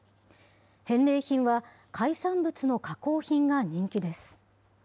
返礼品は海産物の加工品が人気です。